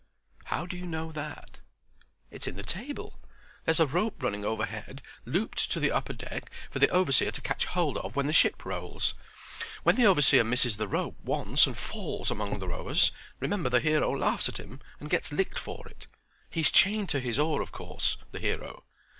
"How do you know that?" "It's in the table. There's a rope running overhead, looped to the upper deck, for the overseer to catch hold of when the ship rolls. When the overseer misses the rope once and falls among the rowers, remember the hero laughs at him and gets licked for it. He's chained to his oar of course—the hero."